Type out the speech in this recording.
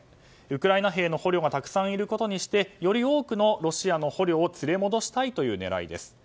ウクライナ兵の捕虜がたくさんいることにしてより多くのロシア捕虜を連れ戻したいという思いです。